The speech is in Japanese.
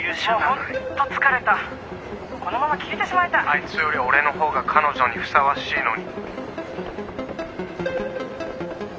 あいつより俺のほうが彼女にふさわしいのに。